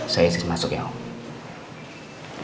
saya isi masuk ya om